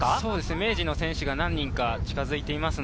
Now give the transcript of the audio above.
明治の選手が何人か近づいています。